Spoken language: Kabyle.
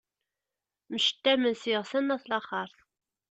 Mcettamen s yiɣsan n at laxert.